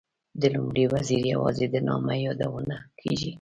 د لومړي وزیر یوازې د نامه یادونه کېږي.